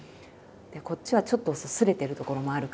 こっちはちょっとすれてるところもあるから。